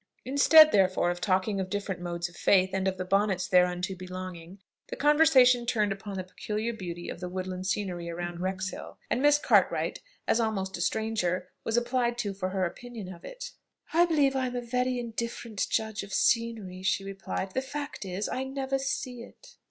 Instead, therefore, of talking of different modes of faith, and of the bonnets thereunto belonging, the conversation turned upon the peculiar beauty of the woodland scenery around Wrexhill; and Miss Cartwright, as almost a stranger, was applied to for her opinion of it. "I believe I am a very indifferent judge of scenery," she replied. "The fact is, I never see it."